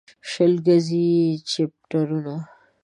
شل ګزي يې چپټرونه